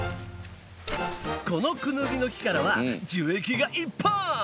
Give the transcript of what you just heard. このクヌギの木からは樹液がいっぱい！